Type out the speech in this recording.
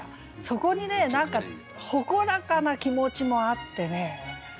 そこにね何か誇らかな気持ちもあってね。